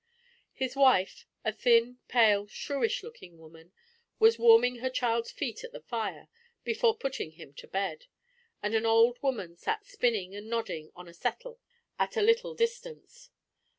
His wife, a thin, pale, shrewish looking woman, was warming her child's feet at the fire, before putting him to bed, and an old woman sat spinning and nodding on a settle at a little distance.